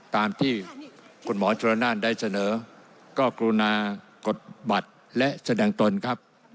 ตามที่คุณหมอชนนั่นได้เสนอก็กรุณากดบัตรและแสดงตนครับ